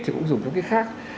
thì cũng dùng cho cái khác